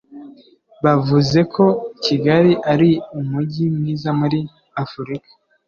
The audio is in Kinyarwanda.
Bavuze ko Kigali ari umujyi mwiza muri Afurika